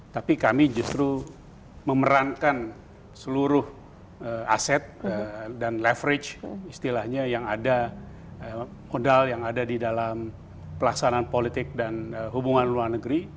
tapi kami justru memerankan seluruh aset dan leverage istilahnya yang ada modal yang ada di dalam pelaksanaan politik dan hubungan luar negeri